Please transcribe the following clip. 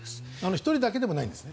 １人だけでもないんですね。